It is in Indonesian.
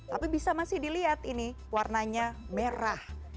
tapi bisa masih dilihat ini warnanya merah